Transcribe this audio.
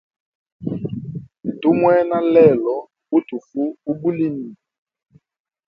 Tumwena lelo butufu ubulimi.